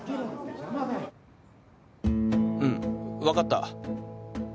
うん分かった。